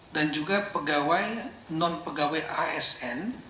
dan juga pegawai non pegawai asn